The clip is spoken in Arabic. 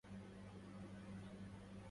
ولما شربناها ودب دبيبها